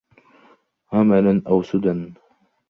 هَمَلًا أَوْ سُدًى